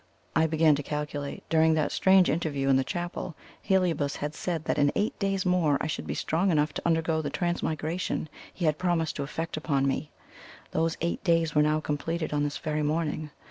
I began to calculate. During that strange interview in the chapel, Heliobas had said that in eight days more I should be strong enough to undergo the transmigration he had promised to effect upon me. Those eight days were now completed on this very morning.